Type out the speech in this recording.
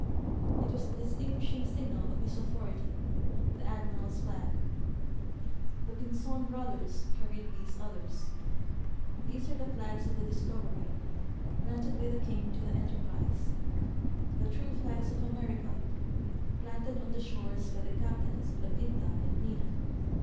It was the distinguishing signal of his authority, the admiral's flag. The Pinzpn brothers carried these others. These are the flags of the discovery, granted by the king to the enterprise — the true flags of America, planted on the shores by the captains of the Pinta and Nina.